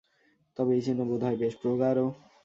তবে এই চিহ্ন বোধ হয় বেশ প্রগাঢ়।